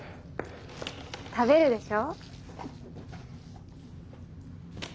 食べるでしょ？